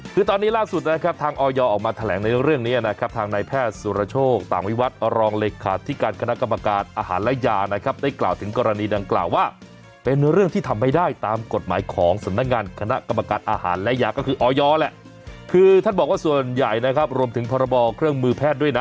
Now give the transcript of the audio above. คือตอนนี้ล่าสุดนะครับทางออยออกมาแถลงในเรื่องนี้นะครับทางนายแพทย์สุรโชคต่างวิวัตรรองเลขาธิการคณะกรรมการอาหารและยานะครับได้กล่าวถึงกรณีดังกล่าวว่าเป็นเรื่องที่ทำไม่ได้ตามกฎหมายของสำนักงานคณะกรรมการอาหารและยาก็คือออยแหละคือท่านบอกว่าส่วนใหญ่นะครับรวมถึงพรบเครื่องมือแพทย์ด้วยนะ